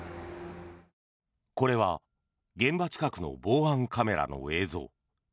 これは、現場近くの防犯カメラの映像。